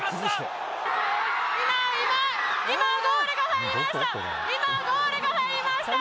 今、ゴールが入りました！